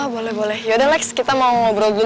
boleh boleh yaudah lex kita mau ngobrol dulu ya